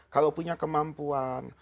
kalau punya kemampuan